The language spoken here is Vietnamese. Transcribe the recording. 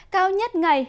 cao nhất ngày